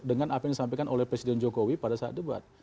dengan apa yang disampaikan oleh presiden jokowi pada saat debat